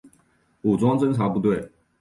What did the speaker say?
武装侦察部队。